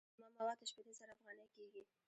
اومه مواد شپیته زره افغانۍ کېږي